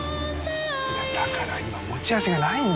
いやだから今持ち合わせがないんですって。